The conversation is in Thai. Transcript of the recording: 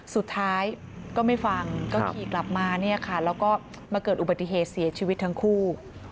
สุดท้ายก็ไม่ฟังก็ขี่กลับมาเนี่ยค่ะแล้วก็มาเกิดอุบัติเหตุเสียชีวิตทั้งคู่